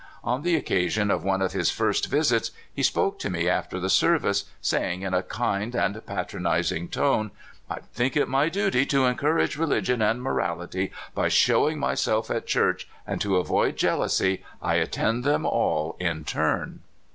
On the occasion of one of his first visits he spoke to me after the service, saying, in a kind and patron izing tone: "I think it my duty to encourage religion and morality by showing myself at church, and to avoid jealousy I attend them all in turn."